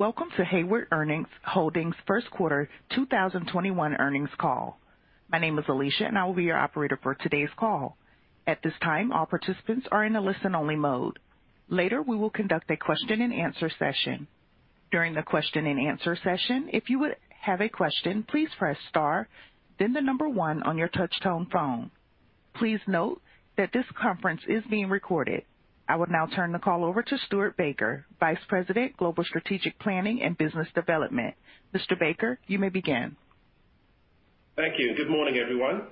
Welcome to Hayward Holdings' first quarter 2021 earnings call. My name is Alicia, and I will be your operator for today's call. At this time, all participants are in a listen-only mode. Later, we will conduct a question-and-answer session. During the question-and-answer session, if you have a question, please press star then the number one on your touchtone phone. Please note that this conference is being recorded. I would now turn the call over to Stuart Baker, Vice President, Global Strategic Planning and Business Development. Mr. Baker, you may begin. Thank you. Good morning, everyone.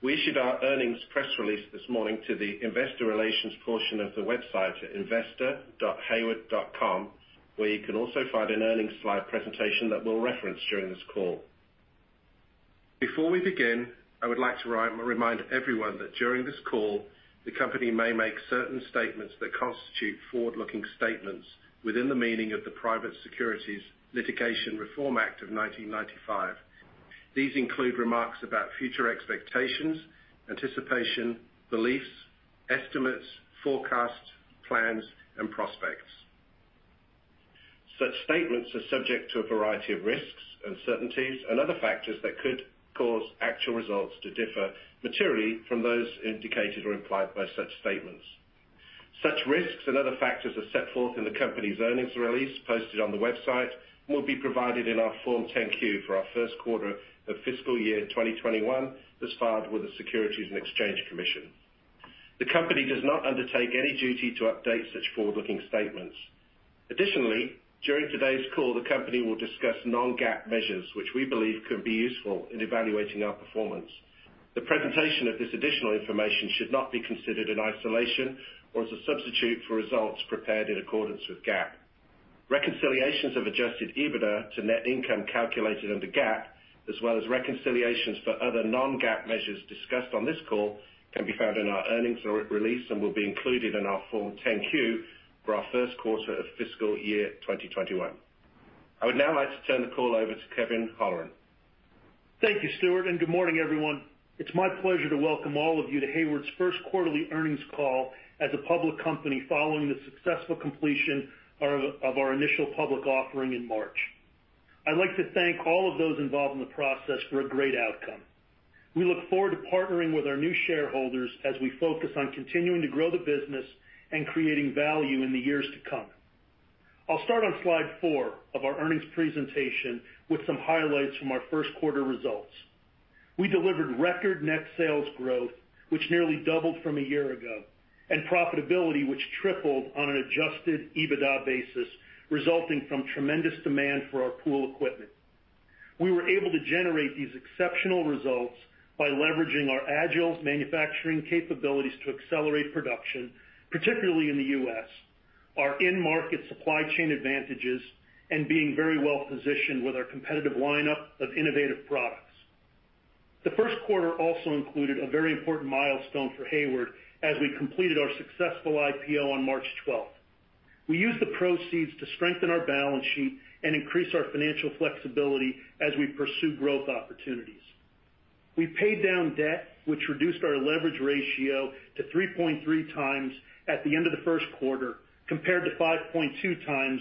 We issued our earnings press release this morning to the investor relations portion of the website at investor.hayward.com, where you can also find an earnings slide presentation that we'll reference during this call. Before we begin, I would like to remind everyone that during this call, the company may make certain statements that constitute forward-looking statements within the meaning of the Private Securities Litigation Reform Act of 1995. These include remarks about future expectations, anticipation, beliefs, estimates, forecasts, plans, and prospects. Such statements are subject to a variety of risks, uncertainties, and other factors that could cause actual results to differ materially from those indicated or implied by such statements. Such risks and other factors are set forth in the company's earnings release posted on the website and will be provided in our Form 10-Q for our first quarter of fiscal year 2021, as filed with the Securities and Exchange Commission. The company does not undertake any duty to update such forward-looking statements. During today's call, the company will discuss non-GAAP measures, which we believe can be useful in evaluating our performance. The presentation of this additional information should not be considered in isolation or as a substitute for results prepared in accordance with GAAP. Reconciliations of adjusted EBITDA to net income calculated under GAAP, as well as reconciliations for other non-GAAP measures discussed on this call, can be found in our earnings release and will be included in our Form 10-Q for our first quarter of fiscal year 2021. I would now like to turn the call over to Kevin Holleran. Thank you, Stuart, and good morning, everyone. It's my pleasure to welcome all of you to Hayward's first quarterly earnings call as a public company following the successful completion of our initial public offering in March. I'd like to thank all of those involved in the process for a great outcome. We look forward to partnering with our new shareholders as we focus on continuing to grow the business and creating value in the years to come. I'll start on slide four of our earnings presentation with some highlights from our first quarter results. We delivered record net sales growth, which nearly doubled from a year ago, and profitability, which tripled on an adjusted EBITDA basis, resulting from tremendous demand for our pool equipment. We were able to generate these exceptional results by leveraging our agile manufacturing capabilities to accelerate production, particularly in the U.S., our in-market supply chain advantages, and being very well-positioned with our competitive lineup of innovative products. The first quarter also included a very important milestone for Hayward as we completed our successful IPO on March 12th. We used the proceeds to strengthen our balance sheet and increase our financial flexibility as we pursue growth opportunities. We paid down debt, which reduced our leverage ratio to 3.3x at the end of the first quarter, compared to 5.2x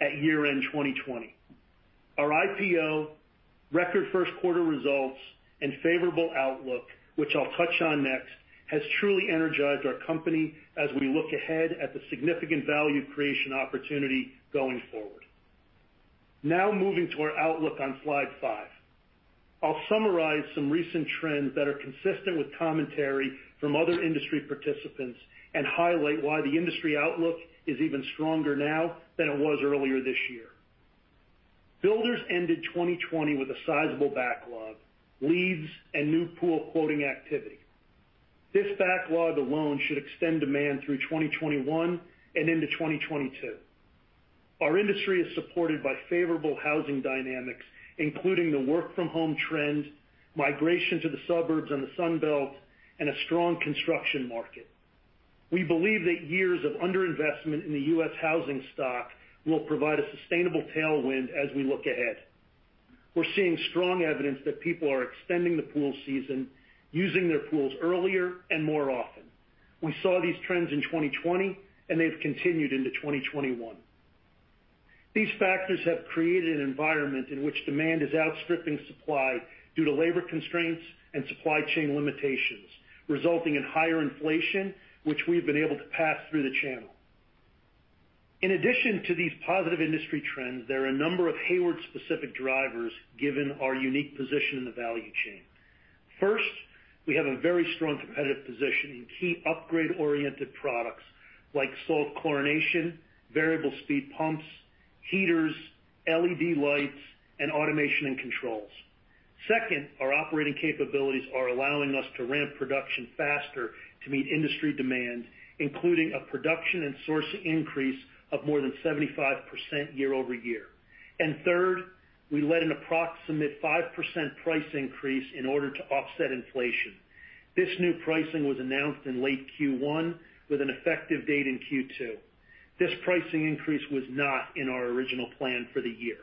at year-end 2020. Our IPO, record first quarter results, and favorable outlook, which I'll touch on next, has truly energized our company as we look ahead at the significant value creation opportunity going forward. Now moving to our outlook on slide five. I'll summarize some recent trends that are consistent with commentary from other industry participants and highlight why the industry outlook is even stronger now than it was earlier this year. Builders ended 2020 with a sizable backlog, leads, and new pool quoting activity. This backlog alone should extend demand through 2021 and into 2022. Our industry is supported by favorable housing dynamics, including the work-from-home trend, migration to the suburbs and the Sunbelt, and a strong construction market. We believe that years of underinvestment in the U.S. housing stock will provide a sustainable tailwind as we look ahead. We're seeing strong evidence that people are extending the pool season, using their pools earlier and more often. We saw these trends in 2020, and they've continued into 2021. These factors have created an environment in which demand is outstripping supply due to labor constraints and supply chain limitations, resulting in higher inflation, which we've been able to pass through the channel. In addition to these positive industry trends, there are a number of Hayward-specific drivers given our unique position in the value chain. First, we have a very strong competitive position in key upgrade-oriented products like salt chlorination, variable-speed pumps, heaters, LED lights, and automation and controls. Second, our operating capabilities are allowing us to ramp production faster to meet industry demand, including a production and source increase of more than 75% year-over-year. Third, we led an approximate 5% price increase in order to offset inflation. This new pricing was announced in late Q1 with an effective date in Q2. This pricing increase was not in our original plan for the year.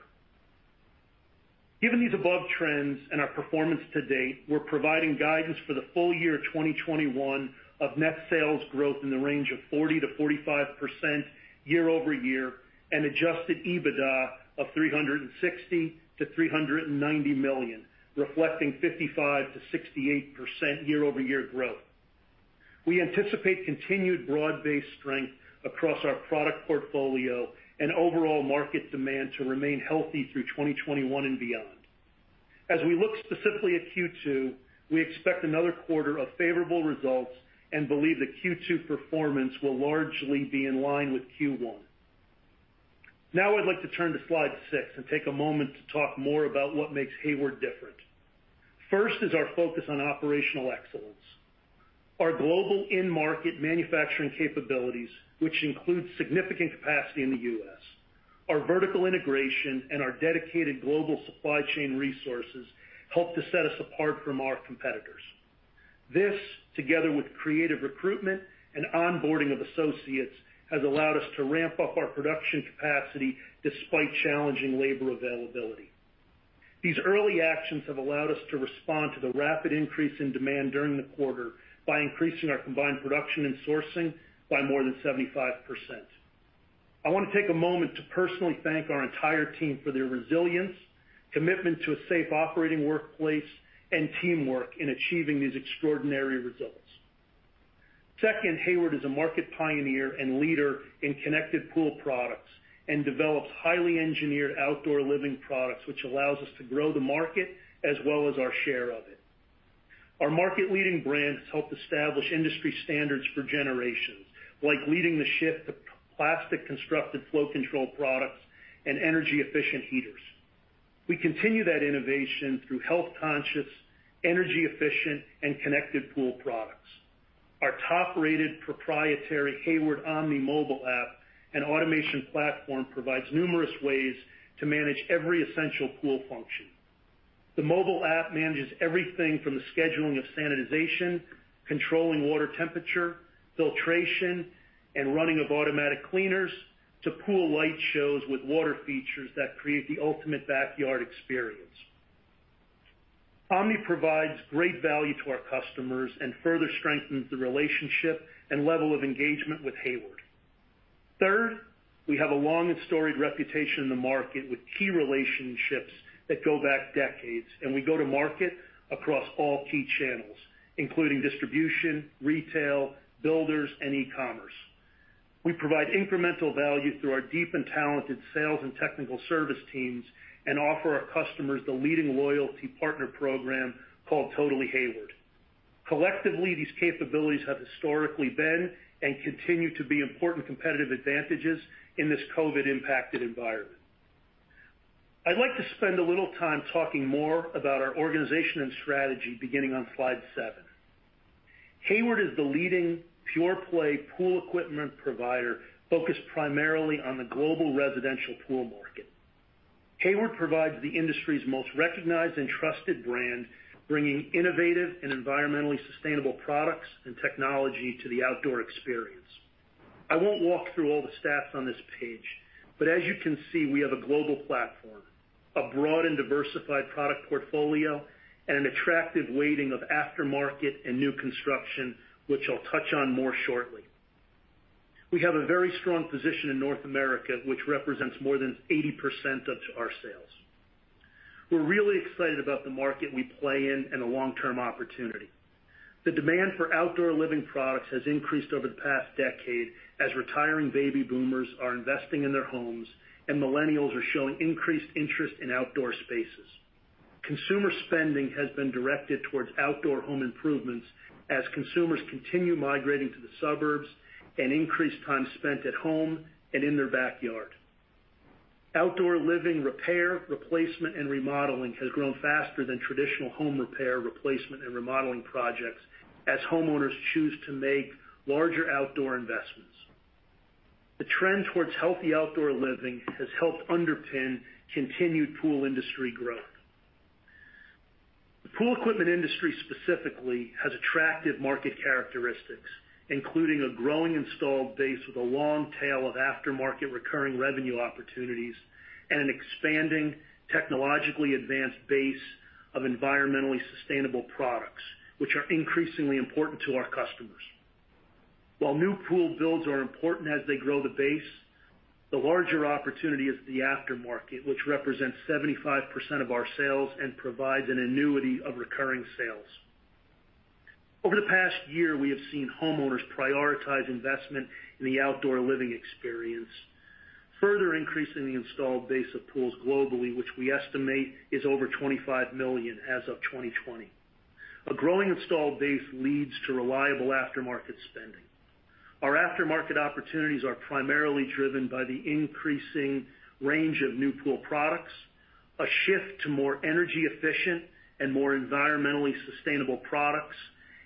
Given these above trends and our performance to date, we're providing guidance for the full year 2021 of net sales growth in the range of 40%-45% year-over-year, and adjusted EBITDA of $360 million-$390 million, reflecting 55%-68% year-over-year growth. We anticipate continued broad-based strength across our product portfolio and overall market demand to remain healthy through 2021 and beyond. As we look specifically at Q2, we expect another quarter of favorable results and believe the Q2 performance will largely be in line with Q1. Now I'd like to turn to slide six and take a moment to talk more about what makes Hayward different. First is our focus on operational excellence. Our global end-market manufacturing capabilities, which includes significant capacity in the U.S., our vertical integration, and our dedicated global supply chain resources, help to set us apart from our competitors. This, together with creative recruitment and onboarding of associates, has allowed us to ramp up our production capacity despite challenging labor availability. These early actions have allowed us to respond to the rapid increase in demand during the quarter by increasing our combined production and sourcing by more than 75%. I want to take a moment to personally thank our entire team for their resilience, commitment to a safe operating workplace, and teamwork in achieving these extraordinary results. Second, Hayward is a market pioneer and leader in connected pool products, and develops highly engineered outdoor living products, which allows us to grow the market as well as our share of it. Our market-leading brand has helped establish industry standards for generations, like leading the shift to plastic-constructed flow control products and energy-efficient heaters. We continue that innovation through health-conscious, energy-efficient, and connected pool products. Our top-rated proprietary Hayward Omni mobile app and automation platform provides numerous ways to manage every essential pool function. The mobile app manages everything from the scheduling of sanitization, controlling water temperature, filtration, and running of automatic cleaners, to pool light shows with water features that create the ultimate backyard experience. Omni provides great value to our customers and further strengthens the relationship and level of engagement with Hayward. Third, we have a long and storied reputation in the market with key relationships that go back decades, and we go to market across all key channels, including distribution, retail, builders, and e-commerce. We provide incremental value through our deep and talented sales and technical service teams and offer our customers the leading loyalty partner program called Totally Hayward. Collectively, these capabilities have historically been, and continue to be, important competitive advantages in this COVID-impacted environment. I'd like to spend a little time talking more about our organization and strategy beginning on slide seven. Hayward is the leading pure-play pool equipment provider focused primarily on the global residential pool market. Hayward provides the industry's most recognized and trusted brand, bringing innovative and environmentally sustainable products and technology to the outdoor experience. I won't walk through all the stats on this page, but as you can see, we have a global platform, a broad and diversified product portfolio, and an attractive weighting of aftermarket and new construction, which I'll touch on more shortly. We have a very strong position in North America, which represents more than 80% of our sales. We're really excited about the market we play in and the long-term opportunity. The demand for outdoor living products has increased over the past decade as retiring baby boomers are investing in their homes, and millennials are showing increased interest in outdoor spaces. Consumer spending has been directed towards outdoor home improvements as consumers continue migrating to the suburbs and increased time spent at home and in their backyard. Outdoor living repair, replacement, and remodeling has grown faster than traditional home repair, replacement, and remodeling projects as homeowners choose to make larger outdoor investments. The trend towards healthy outdoor living has helped underpin continued pool industry growth. The pool equipment industry specifically has attractive market characteristics, including a growing installed base with a long tail of aftermarket recurring revenue opportunities and an expanding technologically advanced base of environmentally sustainable products, which are increasingly important to our customers. While new pool builds are important as they grow the base, the larger opportunity is the aftermarket, which represents 75% of our sales and provides an annuity of recurring sales. Over the past year, we have seen homeowners prioritize investment in the outdoor living experience, further increasing the installed base of pools globally, which we estimate is over 25 million as of 2020. A growing installed base leads to reliable aftermarket spending. Our aftermarket opportunities are primarily driven by the increasing range of new pool products, a shift to more energy-efficient and more environmentally sustainable products,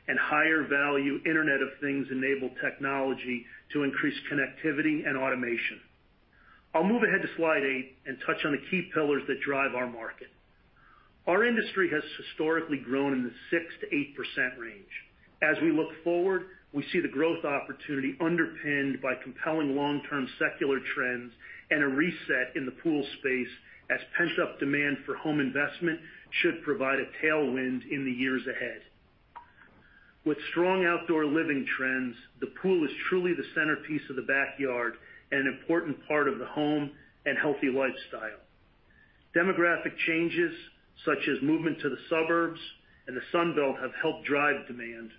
and higher-value Internet of Things-enabled technology to increase connectivity and automation. I'll move ahead to slide eight and touch on the key pillars that drive our market. Our industry has historically grown in the 6%-8% range. As we look forward, we see the growth opportunity underpinned by compelling long-term secular trends and a reset in the pool space, as pent-up demand for home investment should provide a tailwind in the years ahead. With strong outdoor living trends, the pool is truly the centerpiece of the backyard and an important part of the home and healthy lifestyle. Demographic changes, such as movement to the suburbs and the Sunbelt, have helped drive demand,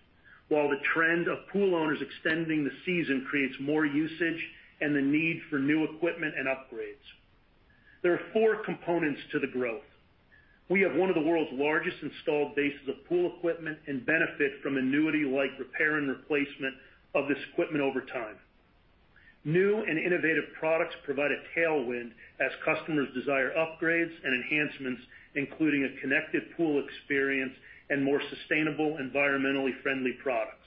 while the trend of pool owners extending the season creates more usage and the need for new equipment and upgrades. There are four components to the growth. We have one of the world's largest installed bases of pool equipment and benefit from annuity-like repair and replacement of this equipment over time. New and innovative products provide a tailwind as customers desire upgrades and enhancements, including a connected pool experience and more sustainable, environmentally friendly products.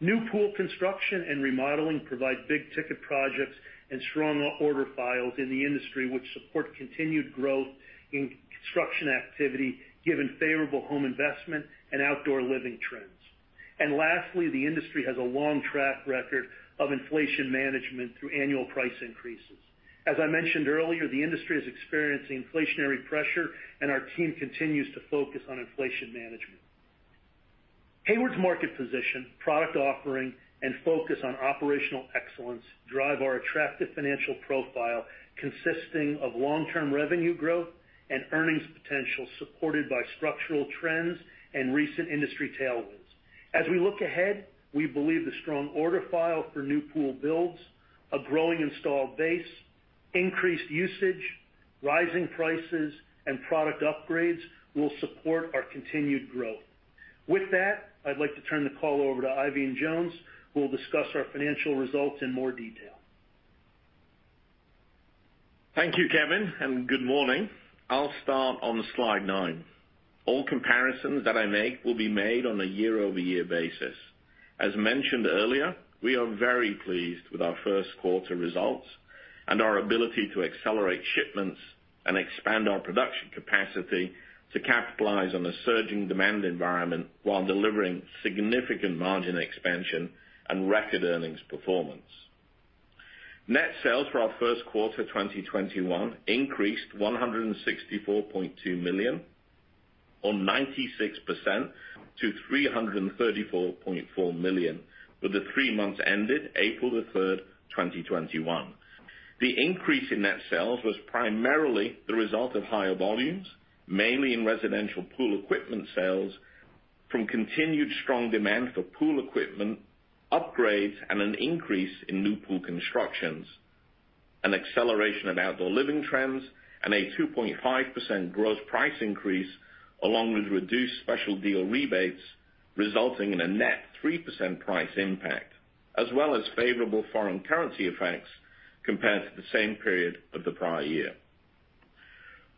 New pool construction and remodeling provide big-ticket projects and stronger order files in the industry, which support continued growth in construction activity, given favorable home investment and outdoor living trends. Lastly, the industry has a long track record of inflation management through annual price increases. As I mentioned earlier, the industry is experiencing inflationary pressure, and our team continues to focus on inflation management. Hayward's market position, product offering, and focus on operational excellence drive our attractive financial profile, consisting of long-term revenue growth and earnings potential supported by structural trends and recent industry tailwinds. As we look ahead, we believe the strong order file for new pool builds, a growing installed base, increased usage, rising prices, and product upgrades will support our continued growth. With that, I'd like to turn the call over to Eifion Jones, who will discuss our financial results in more detail. Thank you, Kevin, and good morning. I'll start on slide nine. All comparisons that I make will be made on a year-over-year basis. As mentioned earlier, we are very pleased with our first quarter results and our ability to accelerate shipments and expand our production capacity to capitalize on the surging demand environment while delivering significant margin expansion and record earnings performance. Net sales for our first quarter 2021 increased $164.2 million, or 96%, to $334.4 million, with the three months ended April 3, 2021. The increase in net sales was primarily the result of higher volumes, mainly in residential pool equipment sales from continued strong demand for pool equipment upgrades, an increase in new pool constructions, an acceleration of outdoor living trends, and a 2.5% gross price increase, along with reduced special deal rebates, resulting in a net 3% price impact, as well as favorable foreign currency effects compared to the same period of the prior year.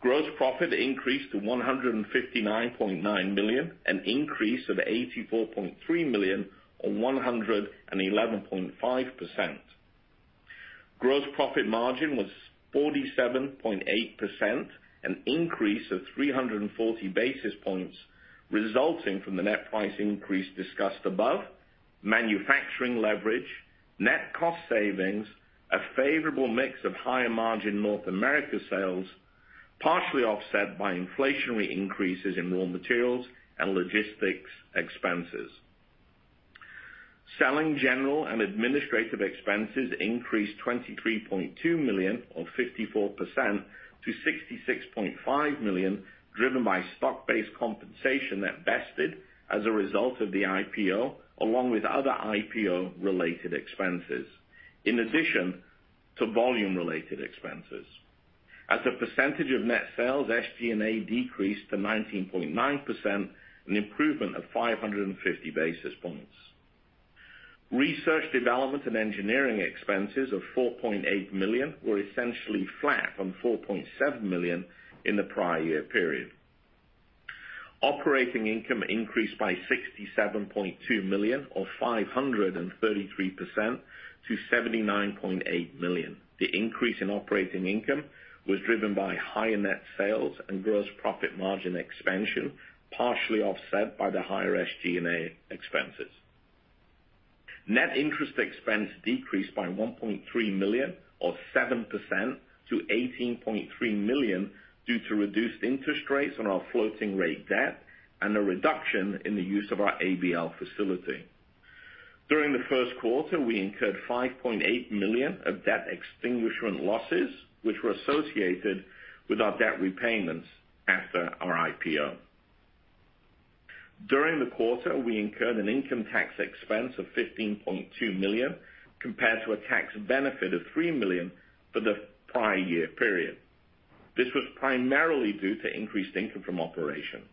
Gross profit increased to $159.9 million, an increase of $84.3 million, or 111.5%. Gross profit margin was 47.8%, an increase of 340 basis points resulting from the net price increase discussed above, manufacturing leverage, net cost savings, a favorable mix of higher margin North America sales, partially offset by inflationary increases in raw materials and logistics expenses. Selling, general, and administrative expenses increased $23.2 million, or 54%, to $66.5 million, driven by stock-based compensation that vested as a result of the IPO, along with other IPO-related expenses, in addition to volume-related expenses. As a percentage of net sales, SG&A decreased to 19.9%, an improvement of 550 basis points. Research, development, and engineering expenses of $4.8 million were essentially flat on $4.7 million in the prior year period. Operating income increased by $67.2 million, or 533%, to $79.8 million. The increase in operating income was driven by higher net sales and gross profit margin expansion, partially offset by the higher SG&A expenses. Net interest expense decreased by $1.3 million, or 7%, to $18.3 million due to reduced interest rates on our floating rate debt and a reduction in the use of our ABL facility. During the first quarter, we incurred $5.8 million of debt extinguishment losses, which were associated with our debt repayments after our IPO. During the quarter, we incurred an income tax expense of $15.2 million, compared to a tax benefit of $3 million for the prior year period. This was primarily due to increased income from operations.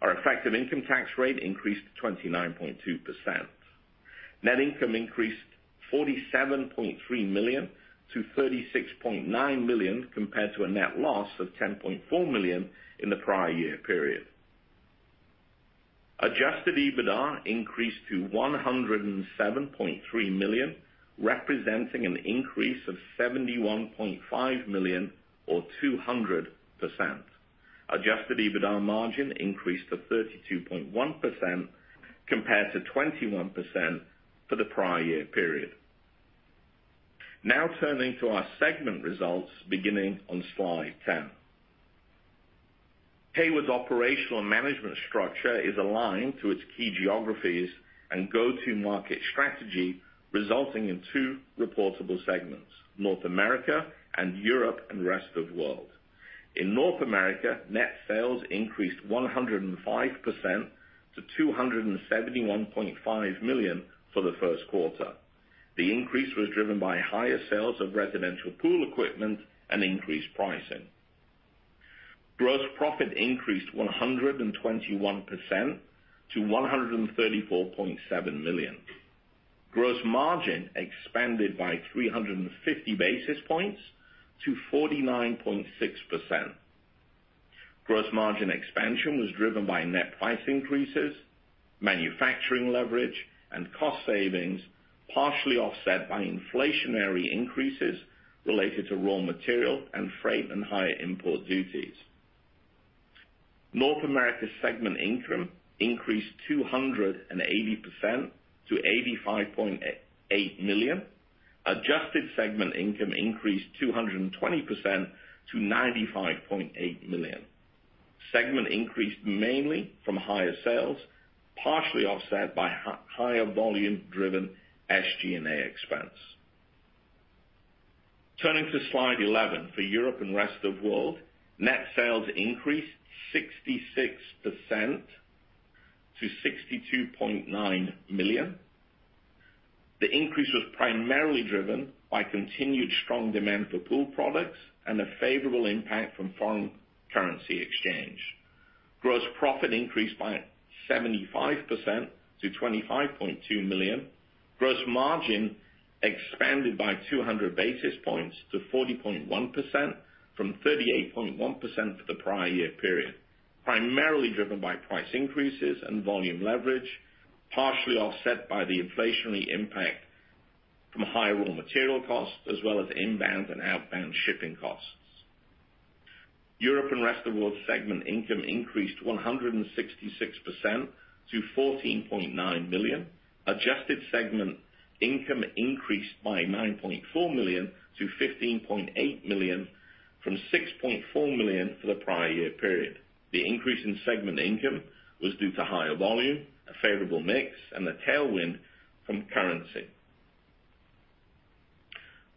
Our effective income tax rate increased to 29.2%. Net income increased $47.3 million to $36.9 million, compared to a net loss of $10.4 million in the prior year period. Adjusted EBITDA increased to $107.3 million, representing an increase of $71.5 million or 200%. Adjusted EBITDA margin increased to 32.1%, compared to 21% for the prior year period. Turning to our segment results, beginning on slide 10. Hayward's operational management structure is aligned to its key geographies and go-to market strategy, resulting in two reportable segments, North America and Europe and Rest of World. In North America, net sales increased 105% to $271.5 million for the first quarter. The increase was driven by higher sales of residential pool equipment and increased pricing. Gross profit increased 121% to $134.7 million. Gross margin expanded by 350 basis points to 49.6%. Gross margin expansion was driven by net price increases, manufacturing leverage, and cost savings, partially offset by inflationary increases related to raw material and freight and higher import duties. North America segment income increased 280% to $85.8 million. Adjusted segment income increased 220% to $95.8 million. Segment increased mainly from higher sales, partially offset by higher volume-driven SG&A expense. Turning to slide 11, for Europe and Rest of World, net sales increased 66% to $62.9 million. The increase was primarily driven by continued strong demand for pool products and a favorable impact from foreign currency exchange. Gross profit increased by 75% to $25.2 million. Gross margin expanded by 200 basis points to 40.1%, from 38.1% for the prior year period, primarily driven by price increases and volume leverage, partially offset by the inflationary impact from higher raw material costs as well as inbound and outbound shipping costs. Europe and Rest of World segment income increased 166% to $14.9 million. Adjusted segment income increased by $9.4 million to $15.8 million from $6.4 million for the prior year period. The increase in segment income was due to higher volume, a favorable mix, and a tailwind from currency.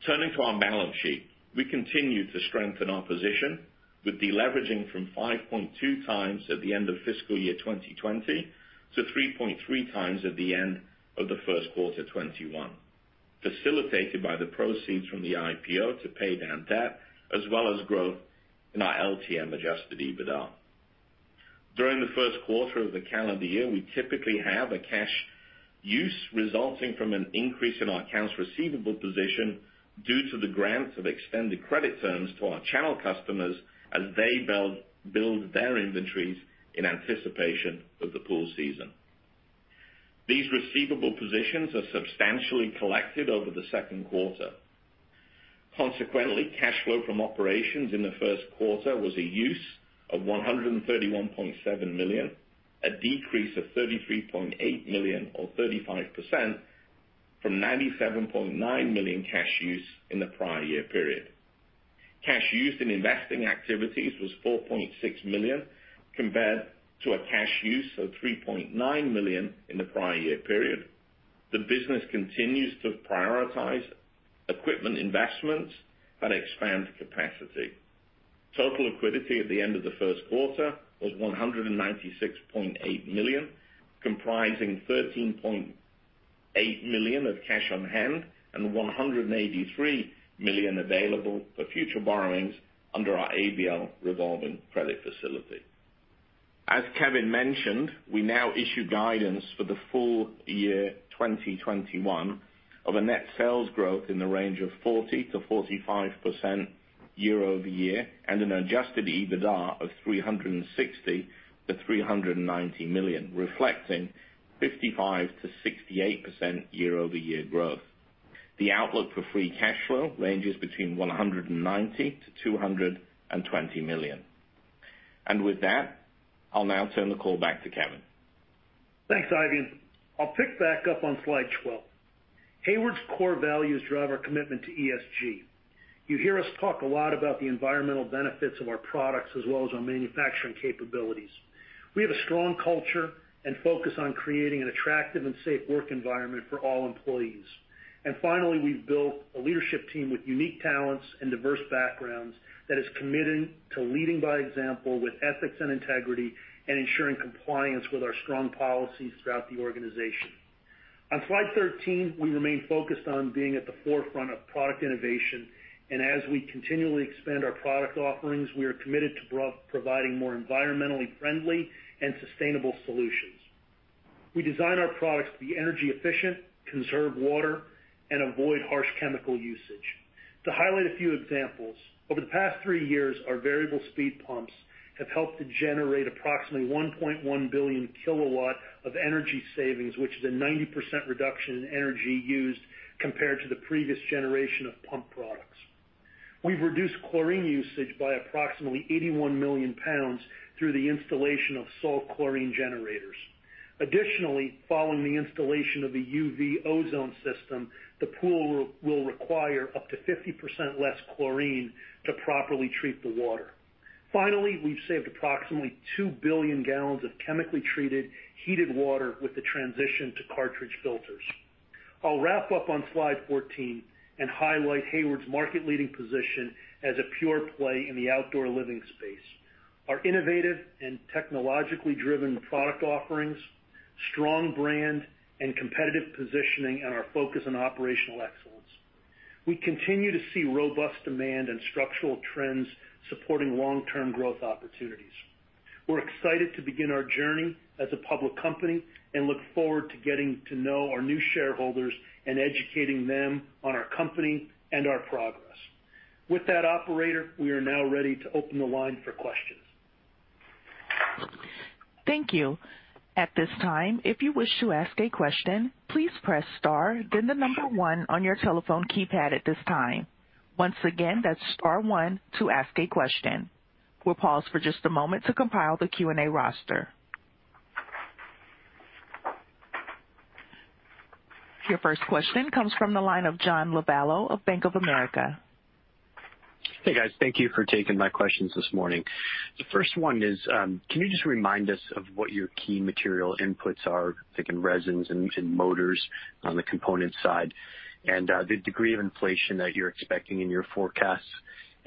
Turning to our balance sheet. We continue to strengthen our position with deleveraging from 5.2x at the end of fiscal year 2020 to 3.3x at the end of the first quarter 2021, facilitated by the proceeds from the IPO to pay down debt, as well as growth in our LTM adjusted EBITDA. During the first quarter of the calendar year, we typically have a cash use resulting from an increase in our accounts receivable position due to the grants of extended credit terms to our channel customers as they build their inventories in anticipation of the pool season. These receivable positions are substantially collected over the second quarter. Consequently, cash flow from operations in the first quarter was a use of $131.7 million, a decrease of $33.8 million or 35% from $97.9 million cash use in the prior year period. Cash used in investing activities was $4.6 million, compared to a cash use of $3.9 million in the prior year period. The business continues to prioritize equipment investments and expand capacity. Total liquidity at the end of the first quarter was $196.8 million, comprising $13.8 million of cash on hand and $183 million available for future borrowings under our ABL revolving credit facility. As Kevin mentioned, we now issue guidance for the full year 2021 of a net sales growth in the range of 40%-45% year-over-year, and an adjusted EBITDA of $360 million-$390 million, reflecting 55%-68% year-over-year growth. The outlook for free cash flow ranges between $190 million-$220 million. With that, I'll now turn the call back to Kevin. Thanks, Eifion. I'll pick back up on slide 12. Hayward's core values drive our commitment to ESG. You hear us talk a lot about the environmental benefits of our products as well as our manufacturing capabilities. We have a strong culture and focus on creating an attractive and safe work environment for all employees. Finally, we've built a leadership team with unique talents and diverse backgrounds that is committed to leading by example with ethics and integrity and ensuring compliance with our strong policies throughout the organization. On slide 13, we remain focused on being at the forefront of product innovation, and as we continually expand our product offerings, we are committed to providing more environmentally friendly and sustainable solutions. We design our products to be energy efficient, conserve water, and avoid harsh chemical usage. To highlight a few examples, over the past three years, our variable speed pumps have helped to generate approximately 1.1 billion kW of energy savings, which is a 90% reduction in energy used compared to the previous generation of pump products. We've reduced chlorine usage by approximately 81 million pounds through the installation of salt chlorine generators. Additionally, following the installation of the UV ozone system, the pool will require up to 50% less chlorine to properly treat the water. Finally, we've saved approximately two billion gallons of chemically treated, heated water with the transition to cartridge filters. I'll wrap up on slide 14 and highlight Hayward's market-leading position as a pure play in the outdoor living space. Our innovative and technologically driven product offerings, strong brand, and competitive positioning, and our focus on operational excellence. We continue to see robust demand and structural trends supporting long-term growth opportunities. We're excited to begin our journey as a public company and look forward to getting to know our new shareholders and educating them on our company and our progress. With that, Operator, we are now ready to open the line for questions. Thank you. At this time, if you wish to ask a question, please press star, then the number one on your telephone keypad at this time. Once again, that's star one to ask a question. We will pause for just a moment to compile the Q&A roster. Your first question comes from the line of John Lovallo of Bank of America. Hey, guys. Thank you for taking my questions this morning. The first one is, can you just remind us of what your key material inputs are, thinking resins and motors on the component side, and the degree of inflation that you're expecting in your forecasts?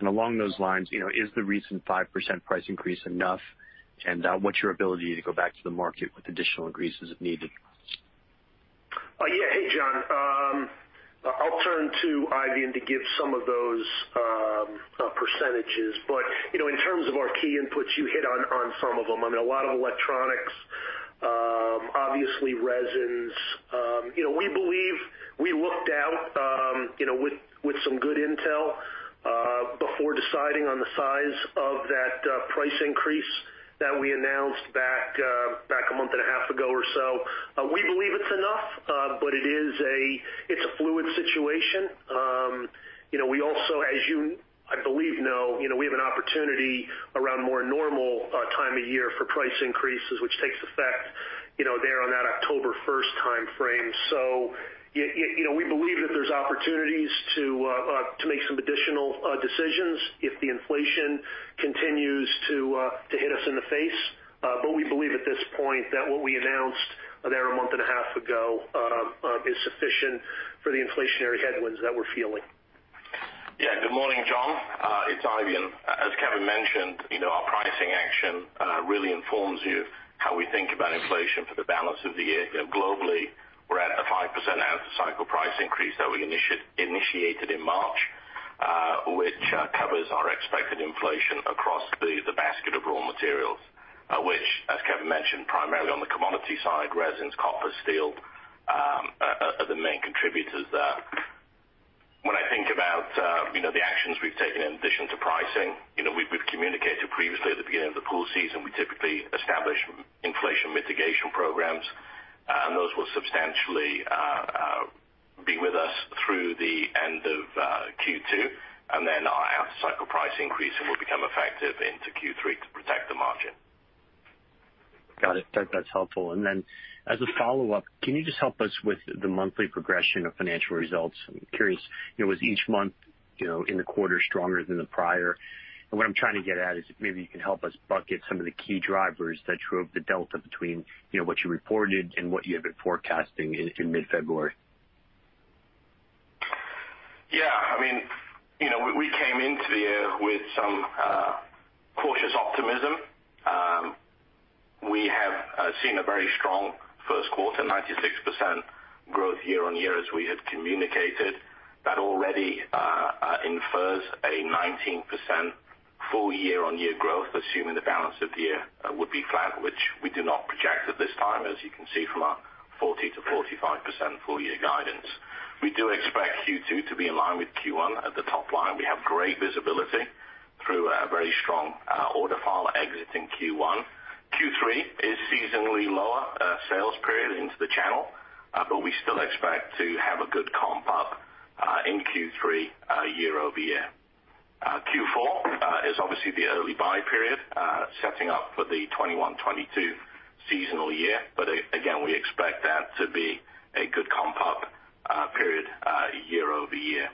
Along those lines, is the recent 5% price increase enough, and what's your ability to go back to the market with additional increases if needed? Hey, John. I'll turn to Eifion to give some of those percentages. In terms of our key inputs, you hit on some of them. I mean, a lot of electronics, obviously, resins. We believe we looked out with some good intel before deciding on the size of that price increase that we announced back a month and a half ago or so. We believe it's enough, but it's a fluid situation. We also, as you, I believe, know, we have an opportunity around more normal time of year for price increases, which takes effect there on that October 1st timeframe. We believe that there's opportunities to make some additional decisions if the inflation continues to hit us in the face. We believe at this point that what we announced there a month and a half ago is sufficient for the inflationary headwinds that we're feeling. Good morning, John. It's Eifion. As Kevin mentioned, our pricing action really informs you how we think about inflation for the balance of the year. Globally, we're at a 5% out-of-cycle price increase that we initiated in March, which covers our expected inflation across the basket of raw materials, which, as Kevin Holleran mentioned, primarily on the commodity side, resins, copper, steel are the main contributors there. When I think about the actions we've taken in addition to pricing, we've communicated previously at the beginning of the pool season, we typically establish inflation mitigation programs. Those will substantially be with us through the end of Q2. Then our out-of-cycle price increase will become effective into Q3 to protect the margin. Got it. That's helpful. As a follow-up, can you just help us with the monthly progression of financial results? I'm curious, was each month in the quarter stronger than the prior? What I'm trying to get at is if maybe you can help us bucket some of the key drivers that drove the delta between what you reported and what you had been forecasting in mid-February. Yeah. We came into the year with some cautious optimism. We have seen a very strong first quarter, 96% growth year-over-year, as we had communicated. That already infers a 19% full year-over-year growth, assuming the balance of the year would be flat, which we do not project at this time, as you can see from our 40%-45% full year guidance. We do expect Q2 to be in line with Q1 at the top line. We have great visibility through a very strong order file exit in Q1. Q3 is seasonally lower sales period into the channel; we still expect to have a good comp-up in Q3 year-over-year. Q4 is obviously the early buy period, setting up for the 2021/2022 seasonal year. Again, we expect that to be a good comp-up period year-over-year.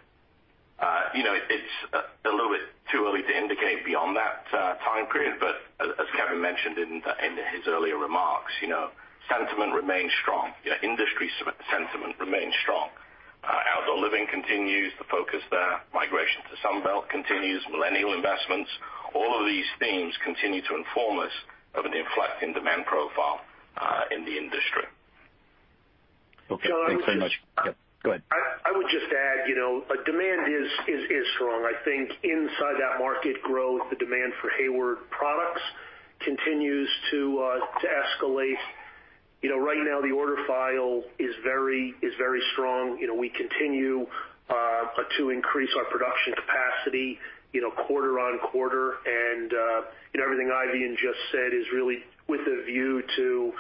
It's a little bit too early to indicate beyond that time period, but as Kevin mentioned in his earlier remarks, sentiment remains strong. Industry sentiment remains strong. Outdoor living continues the focus there. Migration to Sunbelt continues millennial investments. All of these themes continue to inform us of an inflecting demand profile in the industry. Okay, thanks so much. Yep, go ahead. I would just add, you know, demand is strong. I think inside that market growth, the demand for Hayward products continues to escalate. Right now, the order file is very strong. We continue to increase our production capacity quarter on quarter. Everything Eifion just said is really with a view to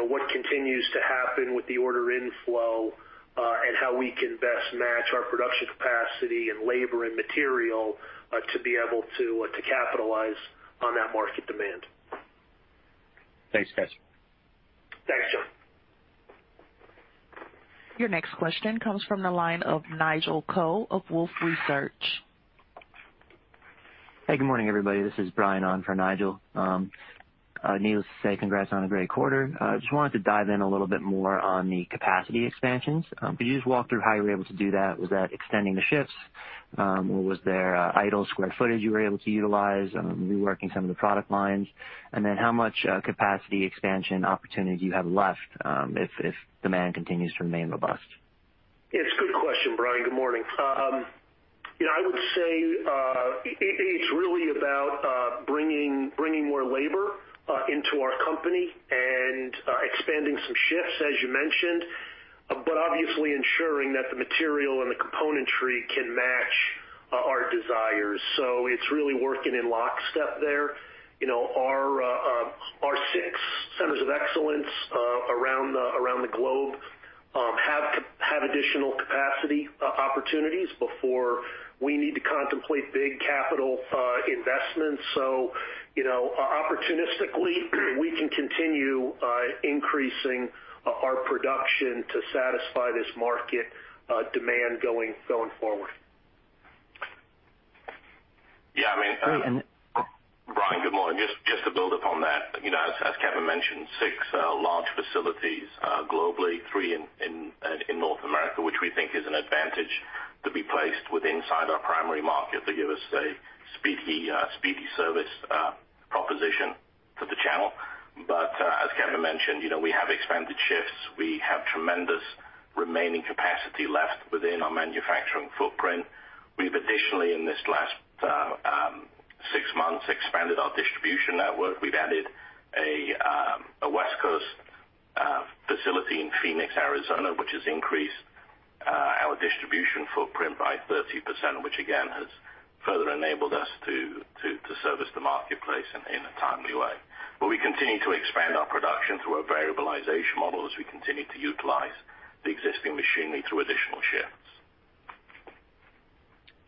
what continues to happen with the order inflow, and how we can best match our production capacity and labor and material, to be able to capitalize on that market demand. Thanks, guys. Thanks, John. Your next question comes from the line of Nigel Coe of Wolfe Research. Hey, good morning, everybody. This is Brian on for Nigel. Needless to say, congrats on a great quarter. Just wanted to dive in a little bit more on the capacity expansions. Could you just walk through how you were able to do that? Was that extending the shifts, or was there idle square footage you were able to utilize, reworking some of the product lines? How much capacity expansion opportunity do you have left, if demand continues to remain robust? It's a good question, Brian. Good morning. I would say it's really about bringing more labor into our company and expanding some shifts, as you mentioned, but obviously ensuring that the material and the componentry can match our desires. It's really working in lockstep there. Our 6 centers of excellence around the globe have additional capacity opportunities before we need to contemplate big capital investments. Opportunistically, we can continue increasing our production to satisfy this market demand going forward. Yeah. Great. Brian, good morning. Just to build upon that, as Kevin mentioned, six large facilities globally, three in North America, which we think is an advantage to be placed within our primary market to give us a speedy service proposition for the channel. As Kevin mentioned, we have expanded shifts. We have tremendous remaining capacity left within our manufacturing footprint. We've additionally, in this last six months, expanded our distribution network. We've added a West Coast facility in Phoenix, Arizona, which has increased our distribution footprint by 30%, which again has further enabled us to service the marketplace in a timely way. We continue to expand our production through a variabilization model as we continue to utilize the existing machinery through additional shifts.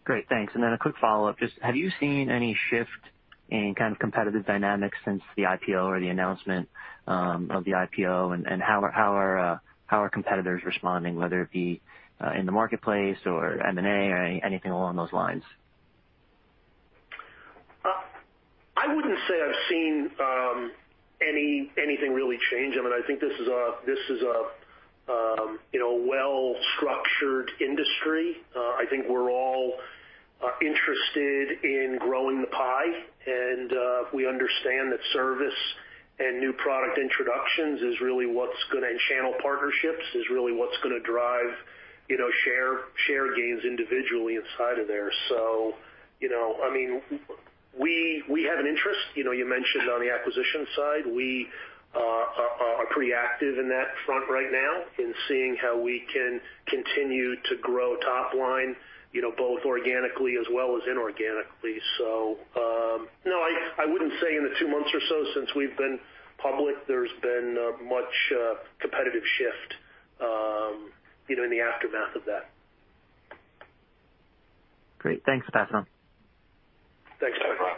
Great. Thanks. A quick follow-up. Just have you seen any shift in kind of competitive dynamics since the IPO or the announcement of the IPO, and how are competitors responding, whether it be in the marketplace or M&A or anything along those lines? I wouldn't say I've seen anything really change. I think this is a well-structured industry. I think we're all interested in growing the pie. We understand that service and new product introductions is really what's going to drive share gains individually inside of there. We have an interest. You mentioned on the acquisition side, we are pretty active in that front right now in seeing how we can continue to grow top line, both organically as well as inorganically. No, I wouldn't say in the two months or so since we've been public, there's been much competitive shift in the aftermath of that. Great. Thanks, guys. Thanks, Brian.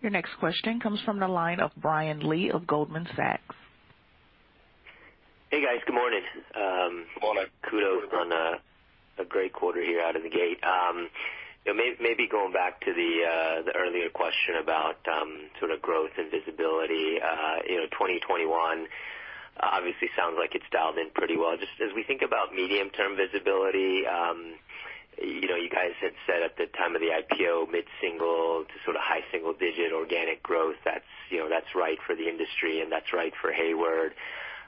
Your next question comes from the line of Brian Lee of Goldman Sachs. Hey, guys. Good morning. Good morning. Kudos on a great quarter here out of the gate. Maybe going back to the earlier question about sort of growth and visibility. 2021 obviously sounds like it's dialed in pretty well. Just as we think about medium-term visibility, you guys had said at the time of the IPO, mid-single to sort of high single-digit organic growth. That's right for the industry, that's right for Hayward.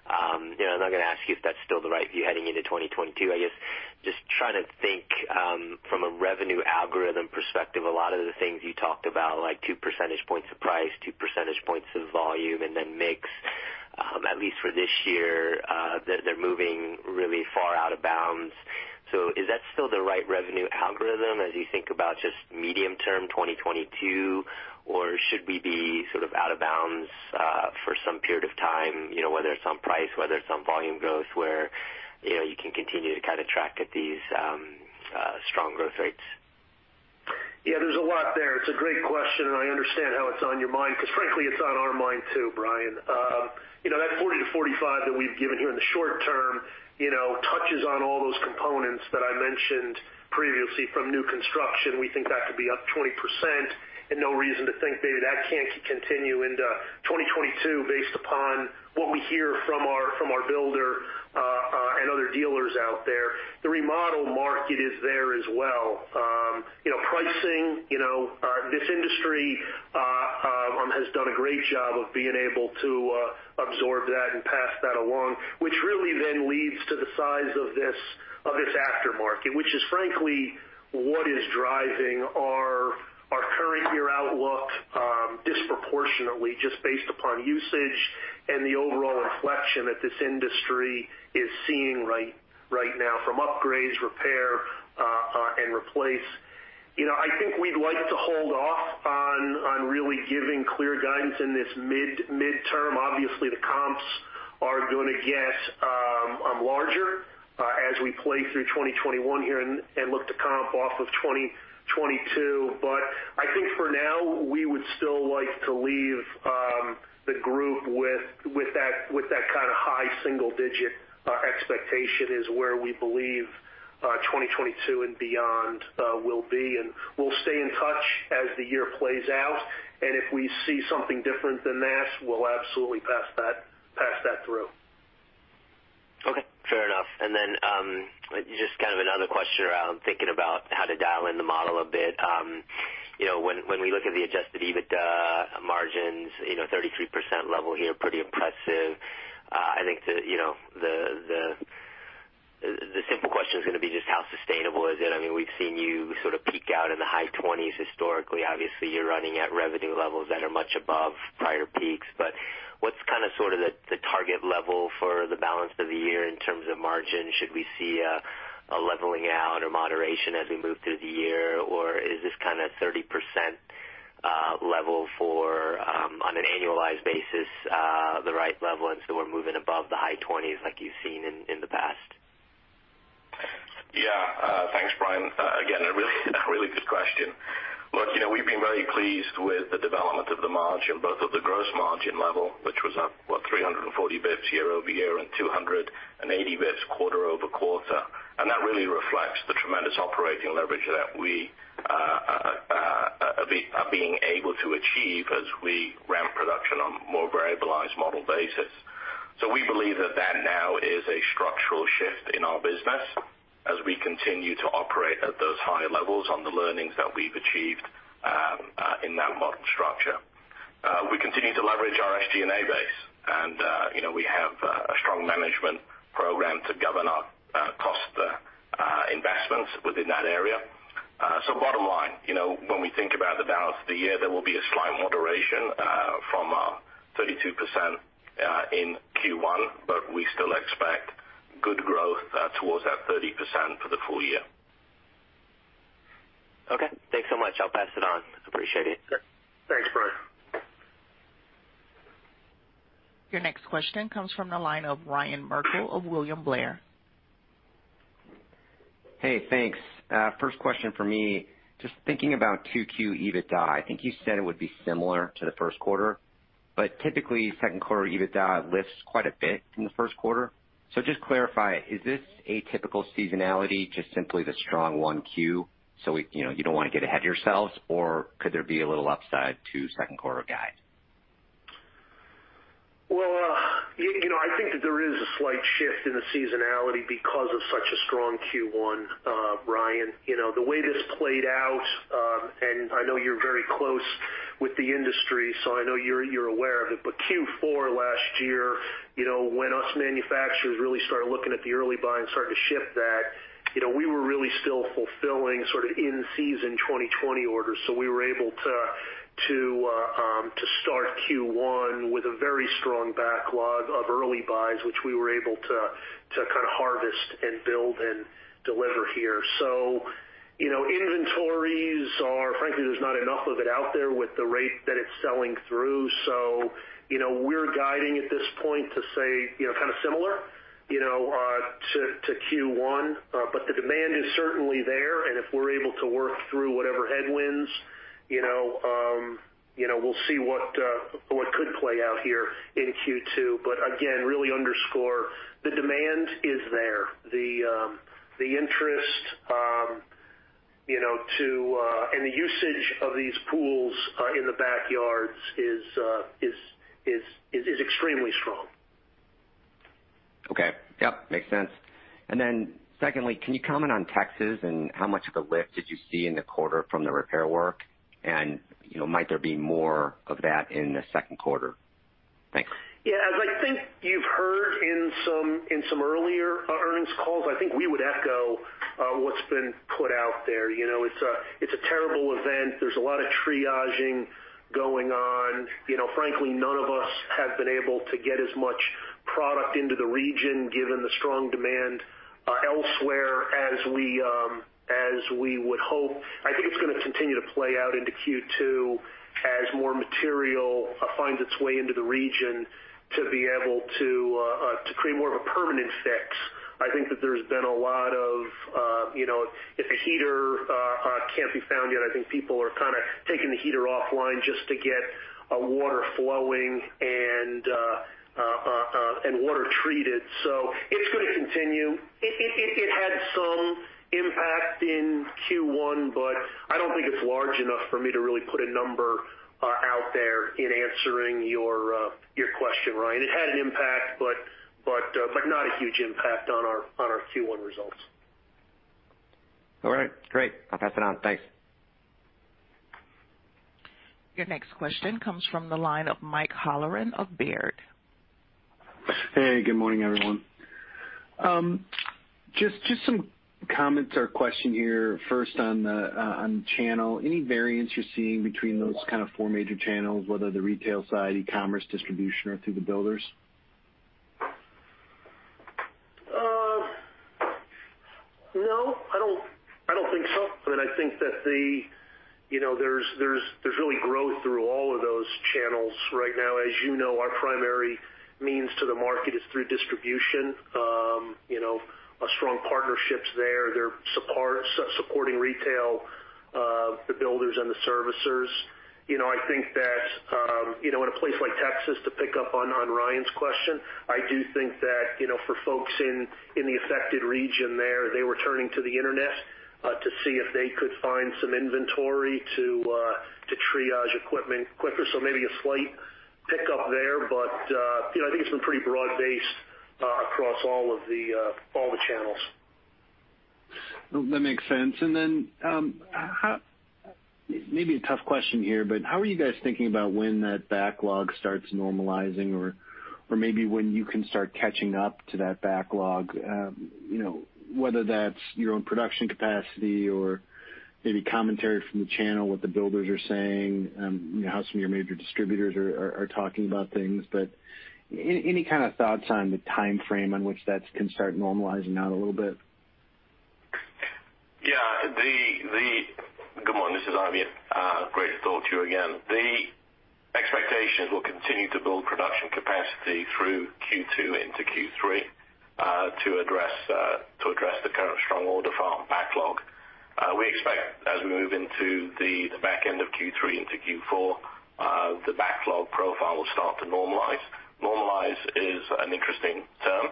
I'm not going to ask you if that's still the right view heading into 2022. I guess, just trying to think from a revenue algorithm perspective, a lot of the things you talked about, like two percentage points of price, two percentage points of volume, mix. At least for this year, they're moving really far out of bounds. Is that still the right revenue algorithm as you think about just medium term 2022, or should we be sort of out of bounds for some period of time, whether it's on price, whether it's on volume growth, where you can continue to kind of track at these strong growth rates? Yeah, there's a lot there. It's a great question, and I understand how it's on your mind because frankly, it's on our mind too, Brian. That 40 to 45 that we've given here in the short term touches on all those components that I mentioned previously from new construction. We think that could be up 20%, and no reason to think maybe that can't continue into 2022 based upon what we hear from our builder out there. The remodel market is there as well. Pricing. This industry has done a great job of being able to absorb that and pass that along, which really then leads to the size of this aftermarket, which is frankly what is driving our current year outlook disproportionately, just based upon usage and the overall inflection that this industry is seeing right now from upgrades, repair, and replace. I think we'd like to hold off on really giving clear guidance in this midterm. Obviously, the comps are going to get larger as we play through 2021 here and look to comp off of 2022. I think for now, we would still like to leave the group with that kind of high single-digit expectation is where we believe 2022 and beyond will be, and we'll stay in touch as the year plays out. If we see something different than that, we'll absolutely pass that through. Okay, fair enough. Just kind of another question around thinking about how to dial in the model a bit. When we look at the adjusted EBITDA margins, 33% level here, pretty impressive. I think the simple question is going to be just how sustainable is it? We've seen you sort of peak out in the high 20s historically. Obviously, you're running at revenue levels that are much above prior peaks, but what's kind of the target level for the balance of the year in terms of margin? Should we see a leveling out or moderation as we move through the year? Is this kind of 30% level on an annualized basis the right level, and so we're moving above the high 20s like you've seen in the past? Thanks, Brian. A really good question. We've been very pleased with the development of the margin, both at the gross margin level, which was up 340 bps year-over-year and 280 bps quarter-over-quarter, that really reflects the tremendous operating leverage that we are being able to achieve as we ramp production on a more variabilized model basis. We believe that now is a structural shift in our business as we continue to operate at those higher levels on the learnings that we've achieved in that model structure. We continue to leverage our SG&A base, we have a strong management program to govern our cost investments within that area. Bottom line, when we think about the balance of the year, there will be a slight moderation from our 32% in Q1; we still expect good growth towards that 30% for the full year. Okay, thanks so much. I'll pass it on. Appreciate it. Sure. Thanks, Brian. Your next question comes from the line of Ryan Merkel of William Blair. Hey, thanks. First question for me, just thinking about 2Q EBITDA. I think you said it would be similar to the first quarter, but typically, second-quarter EBITDA lifts quite a bit from the first quarter. Just clarify, is this atypical seasonality just simply the strong 1Q, so you don't want to get ahead of yourselves, or could there be a little upside to second quarter guide? Well, I think that there is a slight shift in the seasonality because of such a strong Q1, Ryan. The way this played out, and I know you're very close with the industry, so I know you're aware of it, but Q4 last year, when us manufacturers really started looking at the early buy and starting to ship that, we were really still fulfilling sort of in-season 2020 orders. We were able to start Q1 with a very strong backlog of early buys, which we were able to kind of harvest and build and deliver here. Inventories are, frankly, there's not enough of it out there with the rate that it's selling through. We're guiding at this point to say kind of similar to Q1. The demand is certainly there, and if we're able to work through whatever headwinds, we'll see what could play out here in Q2. Again, really underscore the demand is there. The interest and the usage of these pools in the backyards is extremely strong. Okay. Yep, makes sense. Secondly, can you comment on Texas and how much of a lift did you see in the quarter from the repair work? Might there be more of that in the second quarter? Thanks. Yeah. As I think you've heard in some earlier earnings calls, I think we would echo what's been put out there. It's a terrible event. There's a lot of triaging going on. Frankly, none of us have been able to get as much product into the region, given the strong demand elsewhere, as we would hope. I think it's going to continue to play out into Q2 as more material finds its way into the region to be able to create more of a permanent fix. I think that if a heater can't be found yet, I think people are kind of taking the heater offline just to get water flowing and water treated. It's going to continue. It had some impact in Q1, but I don't think it's large enough for me to really put a number out there in answering your question, Ryan. It had an impact, but not a huge impact, on our Q1 results. All right, great. I'll pass it on. Thanks. Your next question comes from the line of Mike Halloran of Baird. Hey, good morning, everyone. Just some comments or question here, first on the channel. Any variance you're seeing between those kind of four major channels, whether the retail side, e-commerce, distribution, or through the builders? No, I don't think so. I think that there's really growth through all of those channels right now. As you know, our primary means to the market is through distribution. Our strong partnerships there they're supporting retail, the builders, and the servicers. I think that in a place like Texas, to pick up on Ryan's question, I do think that for folks in the affected region there, they were turning to the internet to see if they could find some inventory to triage equipment quicker. Maybe a slight pick-up there. I think it's been pretty broad-based across all the channels. That makes sense. Maybe a tough question here, but how are you guys thinking about when that backlog starts normalizing or maybe when you can start catching up to that backlog? Whether that's your own production capacity or maybe commentary from the channel, what the builders are saying, how some of your major distributors are talking about things. Any kind of thoughts on the timeframe on which that can start normalizing out a little bit? Yeah. Good morning, this is Eifion. Great to talk to you again. The expectation is we'll continue to build production capacity through Q2 into Q3 to address the current strong order file backlog. We expect as we move into the back end of Q3 into Q4, the backlog profile will start to normalize. Normalize is an interesting term.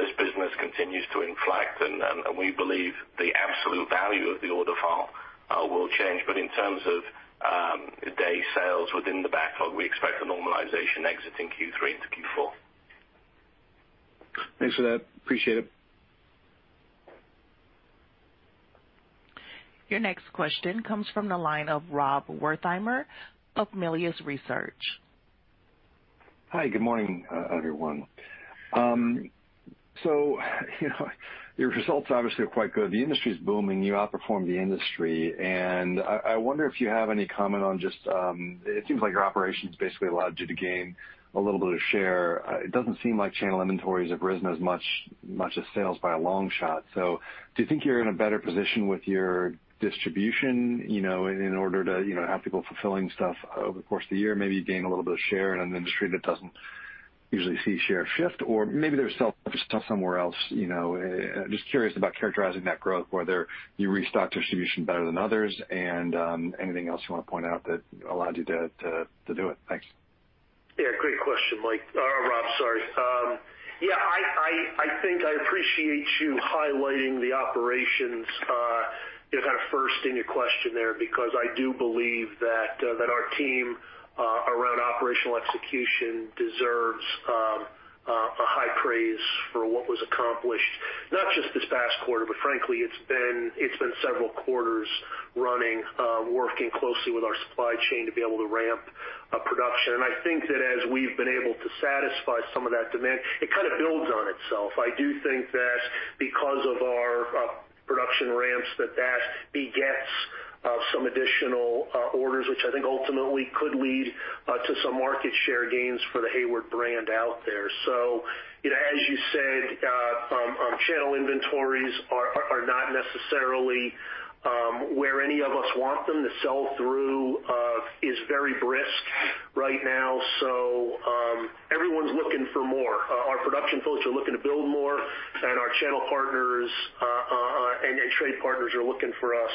This business continues to inflect, and we believe the absolute value of the order file will change. But in terms of day sales within the backlog, we expect a normalization exiting Q3 into Q4. Thanks for that. Appreciate it. Your next question comes from the line of Rob Wertheimer of Melius Research. Hi, good morning, everyone. Your results obviously are quite good. The industry's booming. You outperformed the industry. I wonder if you have any comment on it seems like your operations basically allowed you to gain a little bit of share. It doesn't seem like channel inventories have risen as much as sales by a long shot. Do you think you're in a better position with your distribution in order to have people fulfilling stuff over the course of the year? Maybe you gain a little bit of share in an industry that doesn't usually see share shift, or maybe there's stuff somewhere else. Curious about characterizing that growth, whether you restocked distribution better than others, and anything else you want to point out that allowed you to do it. Thanks. Great question, Mike. Rob, sorry. I think I appreciate you highlighting the operations kind of first in your question there, because I do believe that our team around operational execution deserves high praise for what was accomplished, not just this past quarter, but frankly, it's been several quarters running, working closely with our supply chain to be able to ramp up production. I think that as we've been able to satisfy some of that demand, it kind of builds on itself. I do think that because of our production ramps, that begets some additional orders, which I think ultimately could lead to some market share gains for the Hayward brand out there. As you said, channel inventories are not necessarily where any of us want them. The sell-through is very brisk right now; everyone's looking for more. Our production folks are looking to build more, and our channel partners and trade partners are looking for us.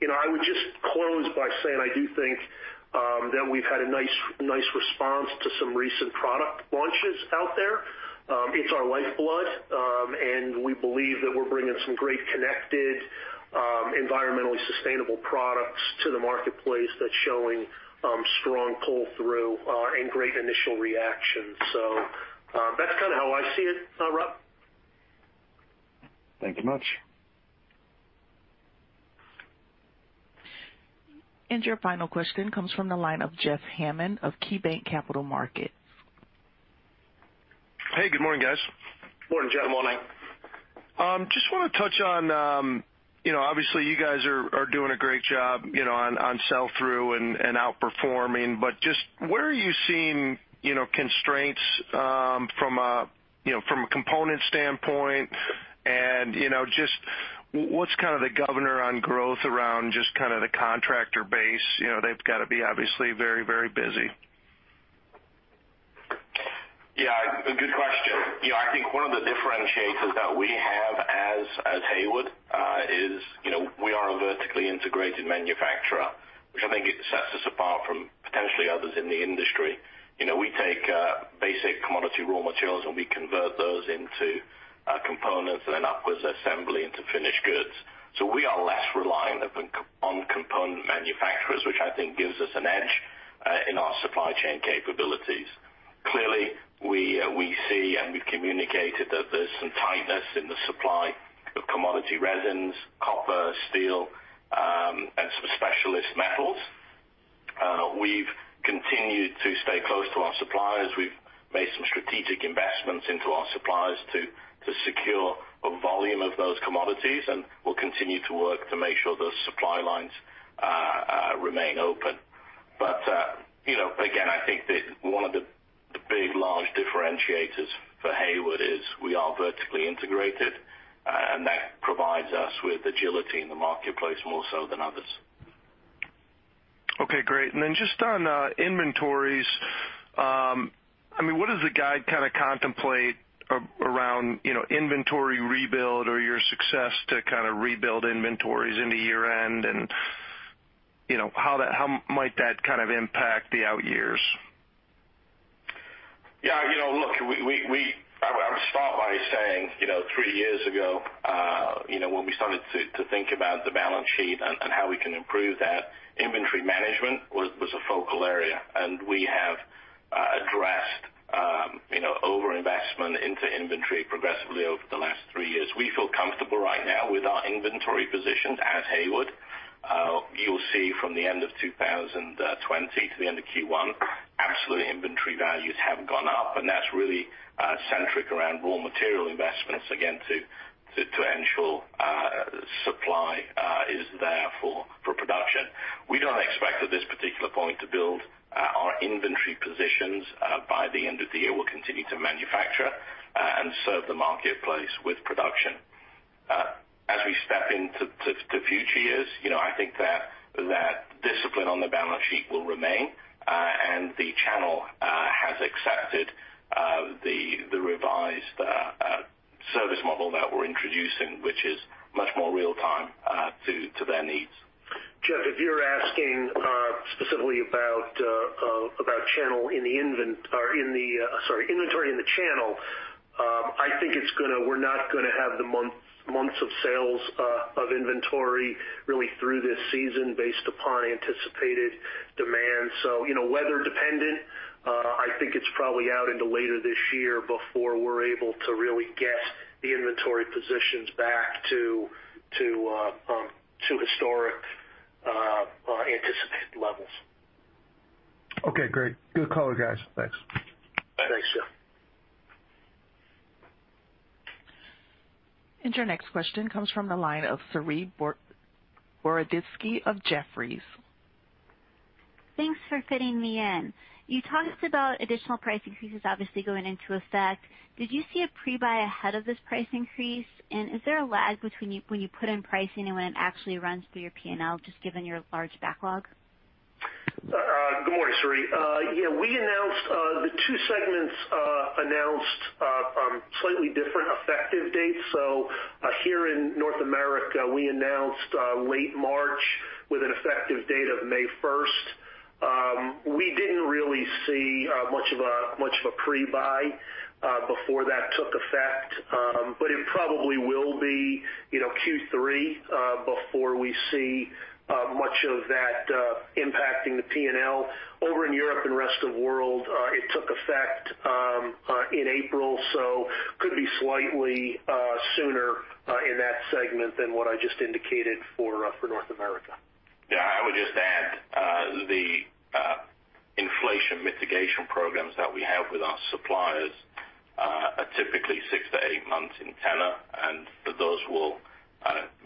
I would just close by saying, I do think that we've had a nice response to some recent product launches out there. It's our lifeblood, and we believe that we're bringing some great connected, environmentally sustainable products to the marketplace that's showing strong pull-through and great initial reaction. That's kind of how I see it, Rob. Thank you much. Your final question comes from the line of Jeff Hammond of KeyBanc Capital Markets. Hey, good morning, guys. Morning, Jeff. Good morning. Just want to touch on, obviously, you guys are doing a great job on sell-through and outperforming, but just where are you seeing constraints from a component standpoint, and just what's kind of the governor on growth around just kind of the contractor base? They've got to be obviously very busy. A good question. I think one of the differentiators that we have as Hayward is we are a vertically integrated manufacturer, which I think sets us apart from potentially others in the industry. We take basic commodity raw materials, and we convert those into components and then upwards assembly into finished goods. We are less reliant on component manufacturers, which I think gives us an edge in our supply chain capabilities. Clearly, we see, and we've communicated that there's some tightness in the supply of commodity resins, copper, steel, and some specialist metals. We've continued to stay close to our suppliers. We've made some strategic investments into our suppliers to secure a volume of those commodities, and we'll continue to work to make sure those supply lines remain open. Again, I think that one of the big, large differentiators for Hayward is we are vertically integrated, and that provides us with agility in the marketplace more so than others. Okay, great. Just on inventories, what does the guide kind of contemplate around inventory rebuild or your success to kind of rebuild inventories into year-end? How might that kind of impact the out years? Yeah. Look, I would start by saying, three years ago, when we started to think about the balance sheet and how we can improve that, inventory management was a focal area. We have addressed over-investment into inventory progressively over the last three years. We feel comfortable right now with our inventory positions at Hayward. You'll see from the end of 2020 to the end of Q1, absolutely, inventory values have gone up, and that's really centric around raw material investments, again, to ensure supply is there for production. We don't expect at this particular point to build our inventory positions by the end of the year. We'll continue to manufacture and serve the marketplace with production. As we step into future years, I think that discipline on the balance sheet will remain. The channel has accepted the revised service model that we're introducing, which is much more real-time to their needs. Jeff, if you're asking specifically about inventory in the channel, I think we're not going to have the months of sales of inventory really through this season based upon anticipated demand. Weather dependent, I think it's probably out into later this year before we're able to really get the inventory positions back to historic anticipated levels. Okay, great. Good call, guys. Thanks. Thanks, Jeff. Your next question comes from the line of Saree Boroditsky of Jefferies. Thanks for fitting me in. You talked about additional price increases, obviously going into effect. Did you see a pre-buy ahead of this price increase? Is there a lag between when you put in pricing and when it actually runs through your P&L, just given your large backlog? Good morning, Saree. The two segments announced slightly different effective dates. Here in North America, we announced late March with an effective date of May 1st. We didn't really see much of a pre-buy before that took effect. It probably will be Q3 before we see much of that impacting the P&L. Over in Europe and Rest of World, it took effect in April, so could be slightly sooner in that segment than what I just indicated for North America. I would just add to the inflation mitigation programs that we have with our suppliers are typically six to eight months in tenor, and those will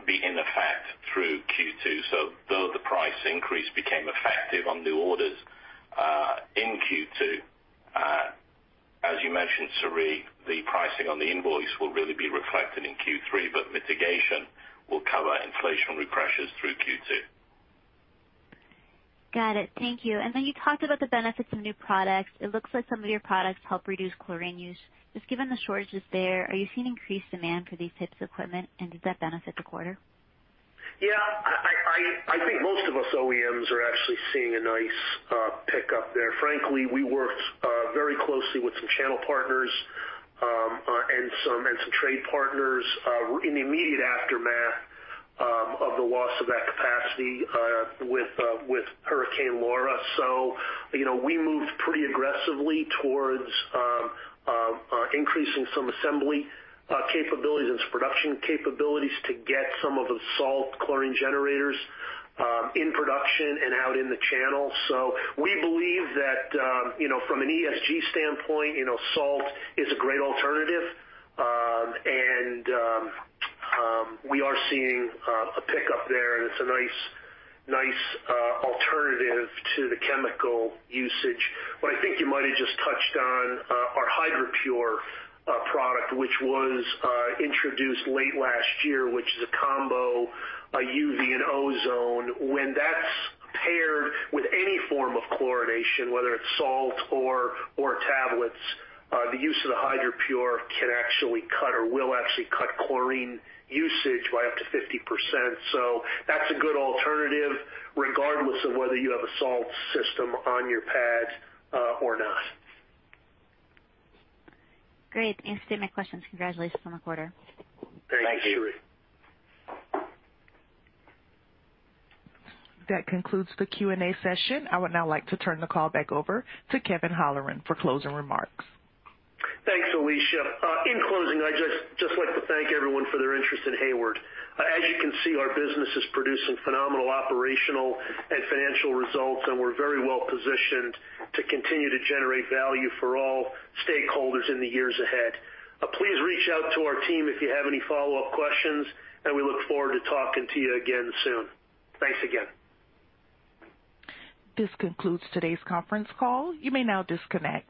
be in effect through Q2. Though the price increase became effective on new orders in Q2, as you mentioned, Saree, the pricing on the invoice will really be reflected in Q3, but mitigation will cover inflationary pressures through Q2. Got it. Thank you. You talked about the benefits of new products. It looks like some of your products help reduce chlorine use. Just given the shortages there, are you seeing increased demand for these types of equipment, and did that benefit the quarter? Yeah, I think most of us OEMs are actually seeing a nice pickup there. Frankly, we worked very closely with some channel partners and some trade partners in the immediate aftermath of the loss of that capacity with Hurricane Laura. We moved pretty aggressively towards increasing some assembly capabilities and some production capabilities to get some of the salt chlorine generators in production and out in the channel. We believe that, from an ESG standpoint, salt is a great alternative. We are seeing a pickup there, and it's a nice alternative to the chemical usage. I think you might've just touched on our HydraPure product, which was introduced late last year, which is a combo UV and ozone. When that's paired with any form of chlorination, whether it's salt or tablets, the use of the HydraPure can actually cut or will actually cut chlorine usage by up to 50%. That's a good alternative regardless of whether you have a salt system on your pad or not. Great. Answered my questions. Congratulations on the quarter. Thanks, Saree. Thank you. That concludes the Q&A session. I would now like to turn the call back over to Kevin Holleran for closing remarks. Thanks, Alicia. In closing, I'd just like to thank everyone for their interest in Hayward. As you can see, our business is producing phenomenal operational and financial results, and we're very well positioned to continue to generate value for all stakeholders in the years ahead. Please reach out to our team if you have any follow-up questions, and we look forward to talking to you again soon. Thanks again. This concludes today's conference call. You may now disconnect.